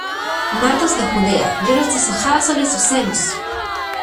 ¡ nardos de Judea, yo los deshojaba sobre sus senos!